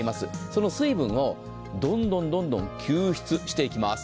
その水分をどんどんどんどん吸湿していきます。